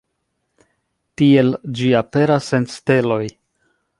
Tiel ĝi aperas en steloj.